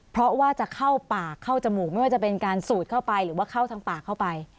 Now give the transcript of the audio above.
เพราะว่าจะเข้าปากเข้าจมูกไม่ว่าจะเป็นการสูดเข้าไปหรือว่าเข้าทางปากเข้าไป